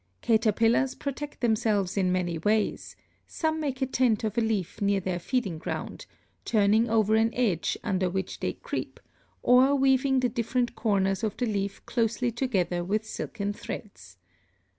Caterpillars protect themselves in many ways; some make a tent of a leaf near their feeding ground, turning over an edge under which they creep, or weaving the different corners of the leaf closely together with silken threads.